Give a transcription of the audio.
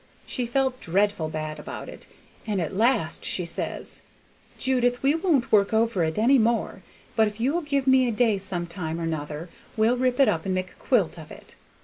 She felt dreadful bad about it, and at last she says, 'Judith, we won't work over it any more, but if you 'll give me a day some time or 'nother, we'll rip it up and make a quilt of it.'